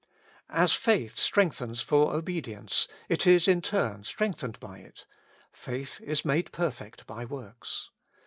As faith strengthens for obedience, it is in turn strengthened by it : faith is made perfect by works.